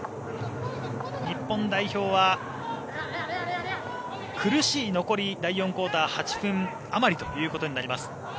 日本代表は苦しい残り第４クオーター８分あまりということになります。